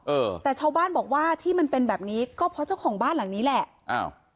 เออแต่ชาวบ้านบอกว่าที่มันเป็นแบบนี้ก็เพราะเจ้าของบ้านหลังนี้แหละอ้าว